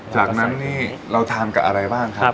จากนั้นนี่เราทานกับอะไรบ้างครับ